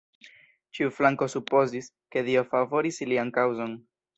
Ĉiu flanko supozis, ke Dio favoris ilian kaŭzon.